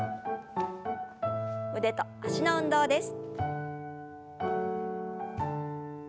腕と脚の運動です。